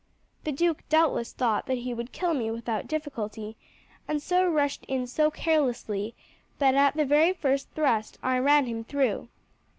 The duke doubtless thought that he would kill me without difficulty, and so rushed in so carelessly that at the very first thrust I ran him through."